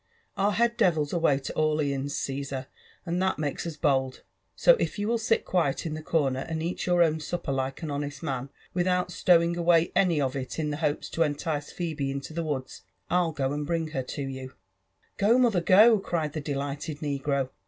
Our head devil's away to Orleans, Ciesar, and tliat makes us bold. So if you will sit quiet in that corner, and eat your own supper like an honest man, without stowing away any of it in hopes to entice Phebe into the woods, I'll go fad bring her to you." Go, mother, go 1" cried the delighted negro.